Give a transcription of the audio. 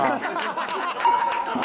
ハハハハ！